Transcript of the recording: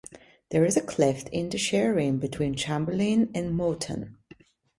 There is a cleft in the shared rim between Chamberlin and Moulton.